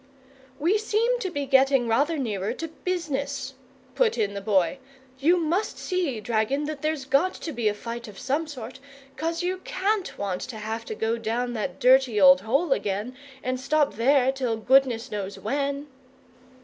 "We seem to be getting rather nearer to BUSINESS," put in the Boy. "You must see, dragon, that there's got to be a fight of some sort, 'cos you can't want to have to go down that dirty old hole again and stop there till goodness knows when."